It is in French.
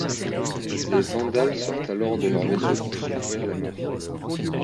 Les Vandales sortent alors de leurs vaisseaux pour secourir les Maures.